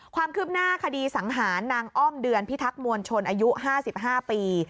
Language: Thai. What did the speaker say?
ความคืบหน้าคดีสังหารนางอ้อมเดือนพิทักษ์มวลชนอายุ๕๕ปี